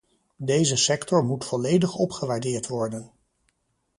Deze sector moet volledig opgewaardeerd worden.